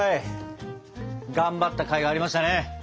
頑張ったかいありましたね！